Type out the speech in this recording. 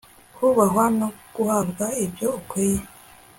Kubahwa no guhabwa ibyo ukwiye